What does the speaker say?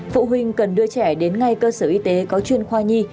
phụ huynh cần đưa trẻ đến ngay cơ sở y tế có chuyên khoa nhi